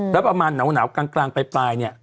แล้วประมาณหนาวกลางไป